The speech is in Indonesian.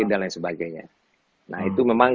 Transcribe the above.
dan lain sebagainya nah itu memang